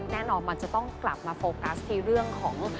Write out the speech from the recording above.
แน่นอนมันจะต้องกลับมาโฟกัสในเรื่องของ